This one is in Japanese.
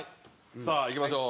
さあいきましょう。